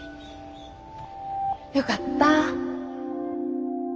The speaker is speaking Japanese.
よかった。